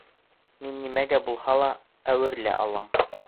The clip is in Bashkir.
Мин нимәгә булһа ла әүерелә алам.